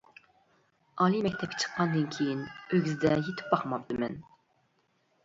ئالىي مەكتەپكە چىققاندىن كىيىن ئۆگزىدە يېتىپ باقماپتىمەن.